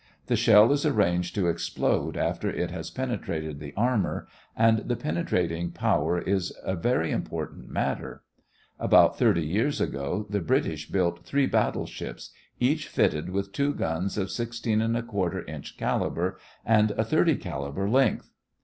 The shell is arranged to explode after it has penetrated the armor, and the penetrating power is a very important matter. About thirty years ago the British built three battle ships, each fitted with two guns of 16 1/4 inch caliber and 30 caliber length.